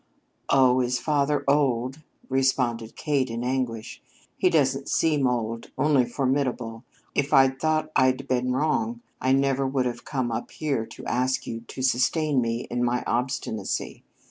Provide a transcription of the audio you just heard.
"Oh, is father old?" responded Kate in anguish. "He doesn't seem old only formidable. If I'd thought I'd been wrong I never would have come up here to ask you to sustain me in my obstinacy.